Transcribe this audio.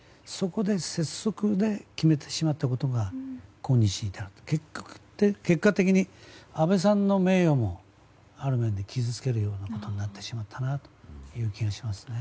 拙速で決めてしまったことが今日に至る結果的に安倍さんの名誉を傷つけるようなことになってしまったなという気がしますね。